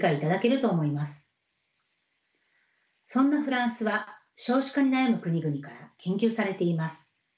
そんなフランスは少子化に悩む国々から研究されています。